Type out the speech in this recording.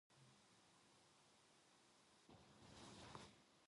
계엄을 선포한 때에는 대통령은 지체없이 국회에 통고하여야 한다.